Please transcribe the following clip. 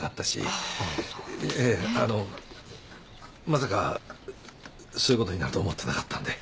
まさかそういうことになると思ってなかったんで。